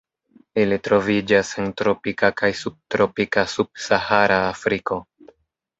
Ili troviĝas en tropika kaj subtropika sub-Sahara Afriko.